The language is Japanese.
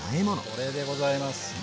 これでございます。